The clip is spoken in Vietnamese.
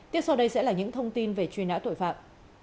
tiếp sau đây sẽ là những thông tin về truy nã tội phạm